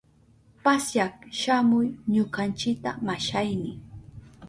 Pasyak shamuy ñukanchita, mashayni.